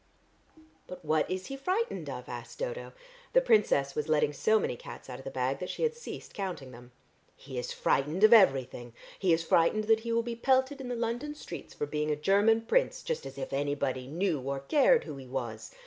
"But what is he frightened of?" asked Dodo. The Princess was letting so many cats out of the bag that she had ceased counting them. "He is frightened of everything. He is frightened that he will be pelted in the London streets for being a Cherman prince, just as if anybody knew or cared who he was!